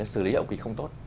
sử lý ẩu kỳ không tốt